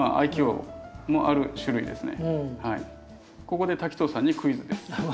ここで滝藤さんにクイズです。